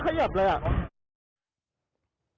เขาไม่ขยับเลยอ่ะ